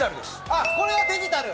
あっこれがデジタル？